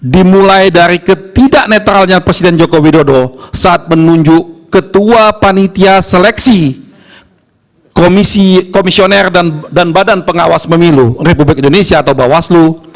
dimulai dari ketidak netralnya presiden joko widodo saat menunjuk ketua panitia seleksi komisioner dan badan pengawas pemilu republik indonesia atau bawaslu